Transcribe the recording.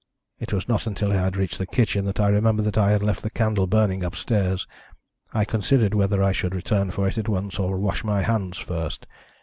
It was not until I had reached the kitchen that I remembered that I had left the candle burning upstairs. I considered whether I should return for it at once or wash my hands first.